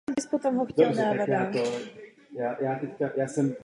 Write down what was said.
Při činnosti hnutí byl kladen především důraz na hájení sociálních zájmů dělnické mládeže.